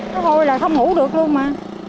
nó hôi là không ngủ được luôn mà